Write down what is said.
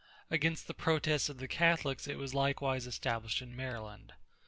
Against the protests of the Catholics it was likewise established in Maryland.